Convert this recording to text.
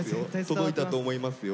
届いたと思いますよ。